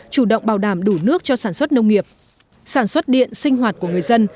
chủ động bảo đảm đủ nước cho sản xuất nông nghiệp sản xuất điện sinh hoạt của người dân